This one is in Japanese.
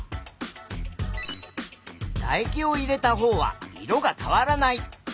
だ液を入れたほうは色が変わらない。